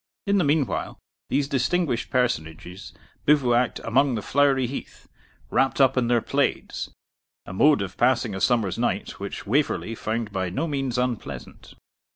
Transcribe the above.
In the meanwhile these distinguished personages bivouacked among the flowery heath, wrapped up in their plaids, a mode of passing a summer's night which Waverley found by no means unpleasant.